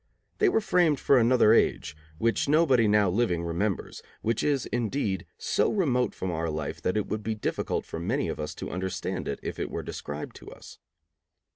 They were framed for another age, which nobody now living remembers, which is, indeed, so remote from our life that it would be difficult for many of us to understand it if it were described to us.